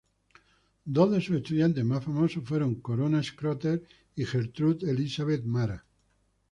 Dos de sus estudiantes más famosos fueron Corona Schröter y Gertrud Elisabeth Mara.